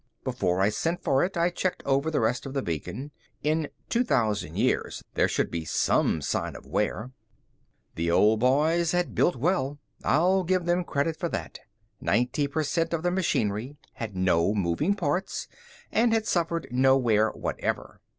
Before I sent for it, I checked over the rest of the beacon. In 2000 years, there should be some sign of wear. The old boys had built well, I'll give them credit for that. Ninety per cent of the machinery had no moving parts and had suffered no wear whatever.